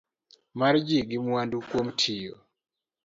Mar ji gi mwandu kuom tiyo